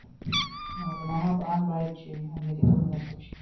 د ماما په آند باید چې امنیتي تړون لاسلیک شي.